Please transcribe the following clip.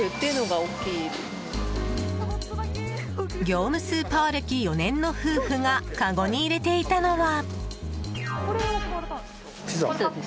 業務スーパー歴４年の夫婦がかごに入れていたのは。